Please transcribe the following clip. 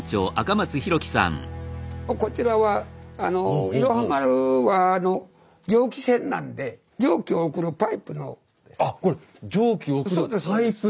こちらは「いろは丸」は蒸気船なんであこれ蒸気を送るパイプ。